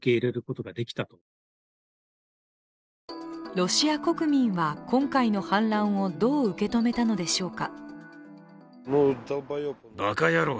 ロシア国民は今回の反乱をどう受け止めたのでしょうか。